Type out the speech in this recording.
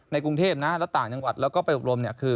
กรุงเทพนะแล้วต่างจังหวัดแล้วก็ไปอบรมเนี่ยคือ